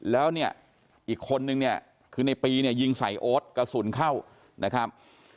แล้วเนี่ยอีกคนนึงเนี่ยคือในปีเนี่ยยิงใส่โอ๊ตกระสุนเข้านะครับ